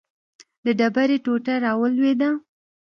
د ډبرې ټوټه راولوېده.